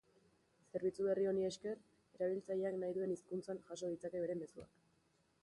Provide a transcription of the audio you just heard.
Zerbitzu berri honi esker, erabiltzaileak nahi duen hizkuntzan jaso ditzake bere mezuak.